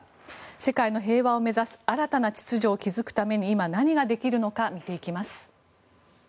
世界の平和を目指す新たな秩序を築くために今、何ができるのか見ていきます。